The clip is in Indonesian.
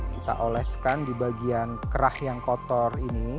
kita oleskan di bagian kerah yang kotor ini